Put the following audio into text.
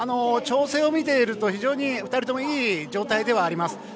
調整を見ていると非常に２人ともいい状態ではあります。